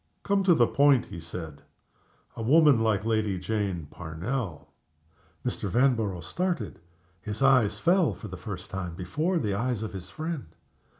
"To come to the point," he said "a woman like Lady Jane Parnell." Mr. Vanborough started. His eyes fell, for the first time, before the eyes of his friend.